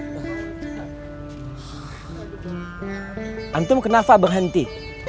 ustadz kenapa lo berhenti